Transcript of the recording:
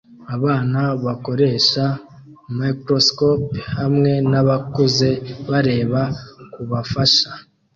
Abana bakoresha microscopes hamwe nabakuze bareba kubafasha